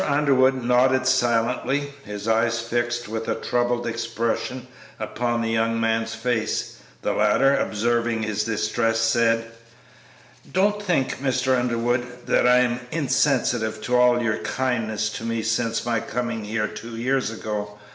Underwood nodded silently, his eyes fixed with a troubled expression upon the young man's face. The latter, observing his distress, said, "Don't think, Mr. Underwood, that I am insensible to all your kindness to me since my coming here two years ago.